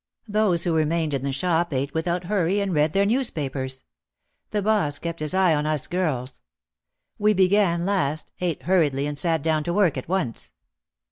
Those who remained in the shop ate without hurry and read their newspapers. The boss kept his eye on us girls. We began last, ate hurriedly and sat down to work at once.